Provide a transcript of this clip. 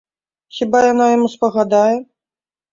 Хіба яна яму спагадае?